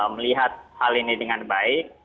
melihat hal ini dengan baik